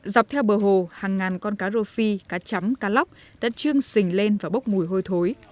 dọc theo bờ hồ hàng ngàn con cá rô phi cá chấm cá lóc đã chiêng xình lên và bốc mùi hôi thối